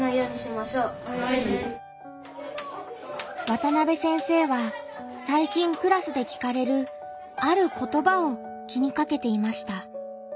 渡邉先生は最近クラスで聞かれる「ある言葉」を気にかけていました。